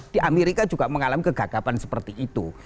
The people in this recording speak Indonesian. di amerika juga mengalami kegagapan seperti itu